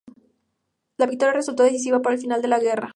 La victoria resultó decisiva para el final de la guerra.